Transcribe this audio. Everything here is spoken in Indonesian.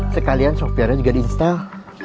sekalian software juga di install